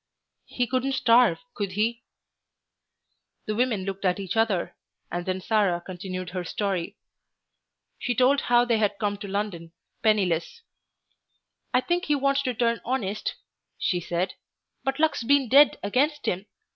"He couldn't starve, could he?" The women looked at each other, and then Sarah continued her story. She told how they had come to London, penniless. "I think he wants to turn honest," she said, "but luck's been dead against him....